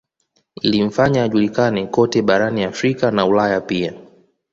Ilimfanya ajulikane kote barani Afrika na Ulaya pia